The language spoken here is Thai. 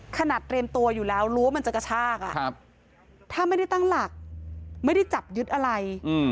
เตรียมตัวอยู่แล้วรั้วมันจะกระชากถ้าไม่ได้ตั้งหลักไม่ได้จับยึดอะไร